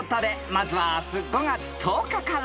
［まずは明日５月１０日から］